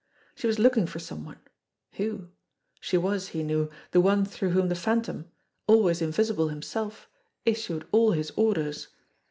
She was looking for some one. Who ? She was, he knew, the one through whom the Phantom, always invisible himself, issued all his orders.